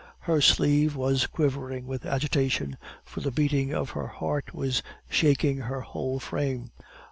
Her sleeve was quivering with agitation, for the beating of her heart was shaking her whole frame.